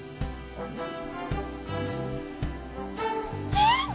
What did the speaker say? えっ！